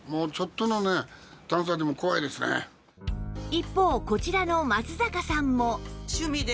一方こちらの松坂さんも